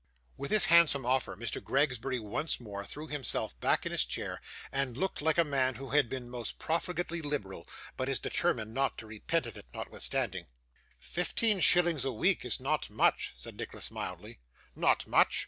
With this handsome offer, Mr. Gregsbury once more threw himself back in his chair, and looked like a man who had been most profligately liberal, but is determined not to repent of it notwithstanding. 'Fifteen shillings a week is not much,' said Nicholas, mildly. 'Not much!